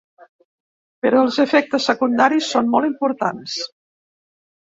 Però els efectes secundaris són molt importants.